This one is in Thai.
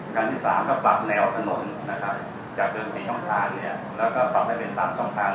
จากเรื่องที่ท่องทางและปรับเป็น๓ท่องทาง